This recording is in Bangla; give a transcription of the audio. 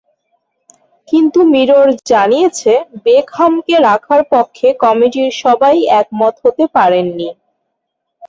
কিন্তু মিরর জানিয়েছে, বেকহামকে রাখার পক্ষে কমিটির সবাই একমত হতে পারেননি।